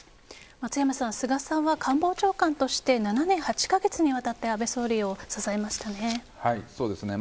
松山さん、菅さんは官房長官として７年８か月にわたって安倍総理を支えましたね。